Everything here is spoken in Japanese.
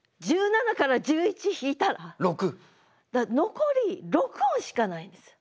残り６音しかないんです。